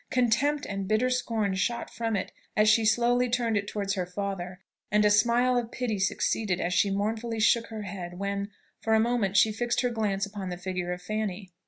Contempt and bitter scorn shot from it as she slowly turned it towards her father; and a smile of pity succeeded, as she mournfully shook her head, when, for a moment, she fixed her glance upon the figure of Fanny.